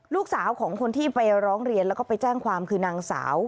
ลูกสาวของคนที่ไปร้องเรียนแล้วก็ไปแจ้งความคือนางสาว